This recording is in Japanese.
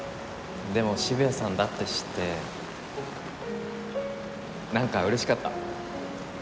でも渋谷さんだって知ってなんか嬉しかった。